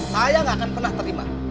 saya gak akan pernah terima